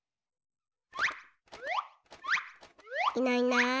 いないいない。